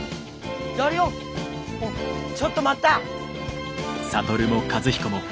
ちょっと待った！